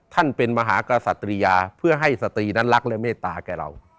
เป็นมหากษัตริยาเพื่อให้สตรีนั้นรักและเมตตาแก่เรา